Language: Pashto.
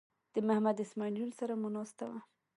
د محمد اسماعیل یون سره مو ناسته وه.